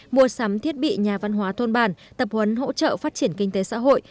mua sắm thiết bị nhà văn hóa thôn bản tập huấn hỗ trợ phát triển kinh tế xã hội